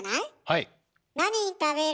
はい。